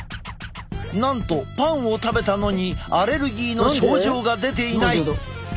なんとパンを食べたのにアレルギーの症状が出ていない！